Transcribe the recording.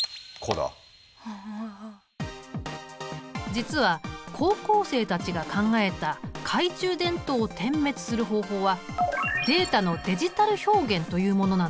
実は高校生たちが考えた懐中電灯を点滅する方法はデータのデジタル表現というものなんだ。